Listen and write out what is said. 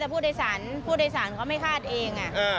แต่ผู้โดยสารเขาไม่คาดเอง